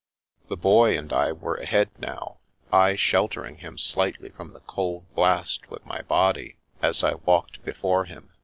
The Boy and I were ahead now, I sheltering him slightly from the cold blast with my body, as I walked before him.